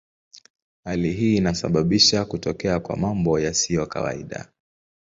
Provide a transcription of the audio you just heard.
Hali hii inasababisha kutokea kwa mambo yasiyo kawaida.